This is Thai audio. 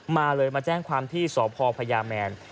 มาเลยมาแจ้งความที่สพพญาแมน